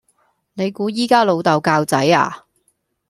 你估依家老豆教仔呀?